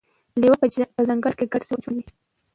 لیوه په ځنګل کې ګډ ژوند کوي.